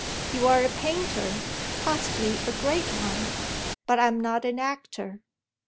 You're a painter, possibly a great one; but I'm not an actor."